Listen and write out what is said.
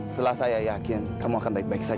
setelah saya yakin kamu akan baik baik saja